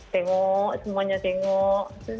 tengok semuanya tengok